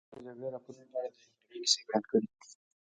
ازادي راډیو د د جګړې راپورونه په اړه د نېکمرغۍ کیسې بیان کړې.